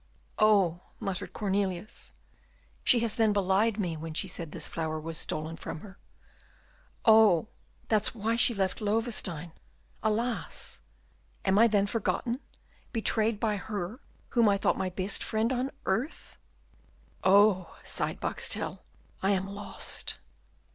"Oh!" muttered Cornelius, "she has then belied me, when she said this flower was stolen from her. Oh! that's why she left Loewestein. Alas! am I then forgotten, betrayed by her whom I thought my best friend on earth?" "Oh!" sighed Boxtel, "I am lost."